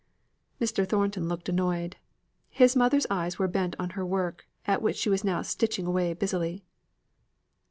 Mr. Thornton looked annoyed. His mother's eyes were bent on her work, at which she was now stitching away busily.